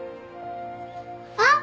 あっ！